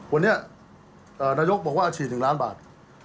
วันนี้นายกบอกว่าฉีด๑ล้านบาท